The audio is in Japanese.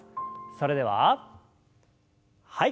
それでははい。